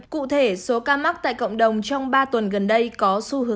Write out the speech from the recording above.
cụ thể số ca mắc tại cộng đồng trong ba tuần gần đây có